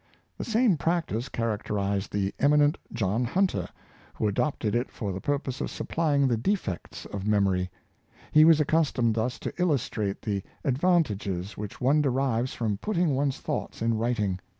The same practice characterized the eminent John Hunter, who adopted it for the purpose of supplying the defects of memory; and he was accustomed thus to illustrate the advantages which one derives from put 262 John Hunter. ting one's thoughts in writing.